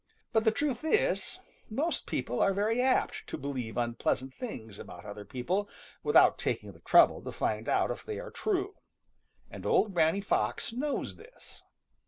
But the truth is most people are very apt to believe unpleasant things about other people without taking the trouble to find out if they are true, and old Granny Fox knows this.